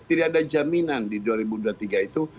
tidak ada jaminan di dua ribu dua puluh tiga itu